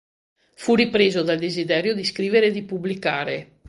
Fu ripreso dal desiderio di scrivere e di pubblicare.